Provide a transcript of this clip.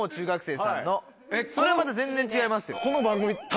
それはまた全然違いますよ。